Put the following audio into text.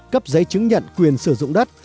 cấp giấy chứng nhận quyền sử dụng đất